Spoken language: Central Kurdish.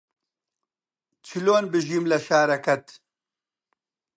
چلۆن بژیم لە شارەکەت